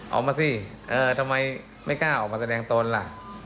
ออกมาสิทำไมไม่กล้าออกมาแสดงตนล่ะ